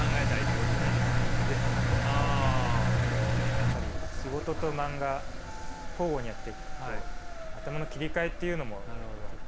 やっぱり仕事と漫画交互にやっていくと頭の切り替えっていうのもちょっと。